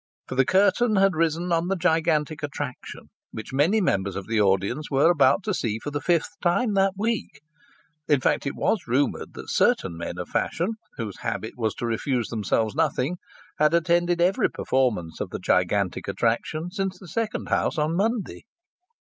For the curtain had risen on the gigantic attraction, which many members of the audience were about to see for the fifth time that week; in fact, it was rumoured that certain men of fashion, whose habit was to refuse themselves nothing, had attended every performance of the gigantic attraction since the second house on Monday.